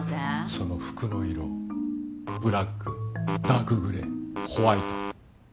その服の色ブラックダークグレーホワイト。